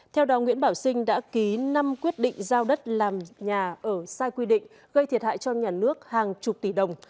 theo đó nguyễn bảo sinh đã ký năm quyết định giao đất làm nhà ở sai quy định gây thiệt hại cho nhà nước hàng chục tỷ đồng